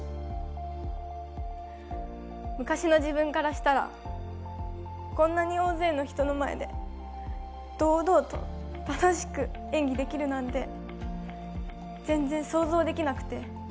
昔の自分からしたら、こんなに大勢の人の前で堂々と楽しく演技できるなんて全然想像できなくて。